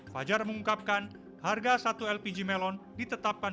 fajar mengungkapkan harga satu lpg melon ditetapkan